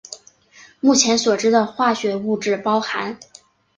目前所知的化学物质包含。